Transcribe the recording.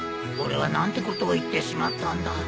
俺は何てことを言ってしまったんだ